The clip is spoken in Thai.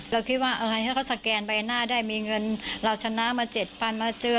เราคิดว่าถ้าเขาสแกนใบหน้าได้มีเงินเราชนะมา๗๐๐มาเจอ